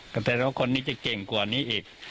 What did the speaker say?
ก็แทนว่าคนนี้จะเก่งกว่านี้อีก